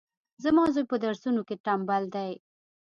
زما زوی پهدرسونو کي ټمبل دی